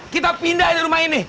kita pindah di rumah ini